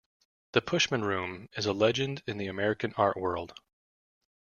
The 'Pushman Room' is a legend in the American art world.